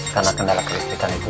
karena kendala kelistrikan itu